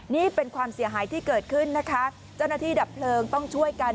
นี่เป็นความเสียหายที่เกิดขึ้นนะคะเจ้าหน้าที่ดับเพลิงต้องช่วยกัน